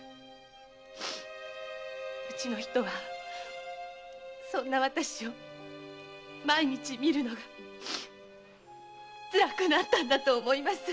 うちの人はそんな私を見るのがつらくなったんだと思います！